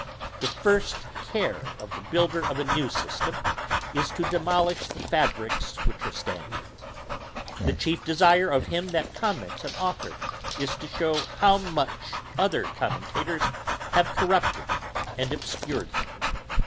The first care of the builder of a new system, is to demolish the fabricks which are standing. The chief desire of him that comments an authour, is to shew how much other commentators have corrupted and obscured him.